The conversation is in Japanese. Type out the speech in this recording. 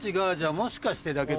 もしかしてだけど